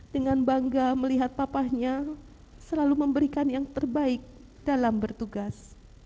dengan bangga melihat papahnya selalu memberikan yang terbaik dalam bertugas